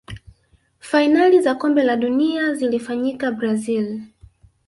fainali za kombe la dunia zilifanyikia brazil